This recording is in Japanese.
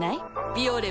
「ビオレ」